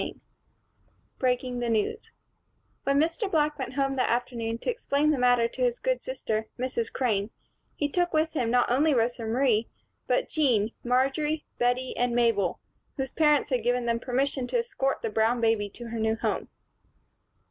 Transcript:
CHAPTER X Breaking the News WHEN Mr. Black went home that afternoon to explain the matter to his good sister, Mrs. Crane, he took with him not only Rosa Marie, but Jean, Marjory, Bettie and Mabel, whose parents had given them permission to escort the brown baby to her new home.